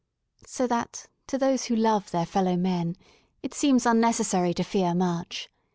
So that, to those who love their fellow men, it seems unnecessary to fear much.